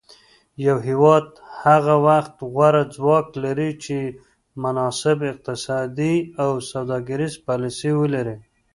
یو هیواد هغه وخت غوره ځواک لري چې مناسب اقتصادي او سوداګریزې پالیسي ولري